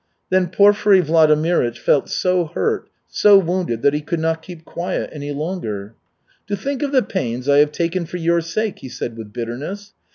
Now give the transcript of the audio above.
Then Porfiry Vladimirych felt so hurt, so wounded that he could not keep quiet any longer. "To think of the pains I have taken for your sake!" he said, with bitterness.